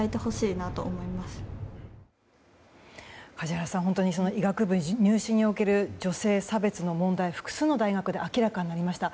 梶原さん、本当に医学部入試における女性差別の問題が複数の大学で明らかになりました。